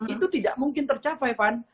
itu tidak mungkin tercapai